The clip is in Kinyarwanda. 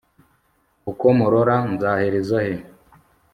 uko murora nzahereza he